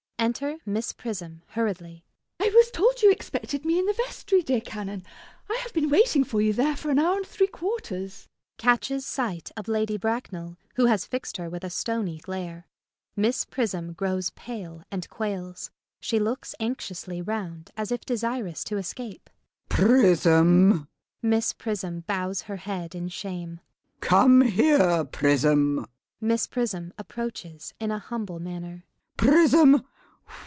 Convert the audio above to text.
[Enter Miss Prism hurriedly.] MISS PRISM. I was told you expected me in the vestry, dear Canon. I have been waiting for you there for an hour and three quarters. [Catches sight of Lady Bracknell, who has fixed her with a stony glare. Miss Prism grows pale and quails. She looks anxiously round as if desirous to escape.] LADY BRACKNELL. [In a severe, judicial voice.] Prism! [Miss Prism bows her head in shame.] Come here, Prism! [Miss Prism approaches in a humble manner.] Prism!